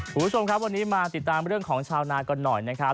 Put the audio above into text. คุณผู้ชมครับวันนี้มาติดตามเรื่องของชาวนากันหน่อยนะครับ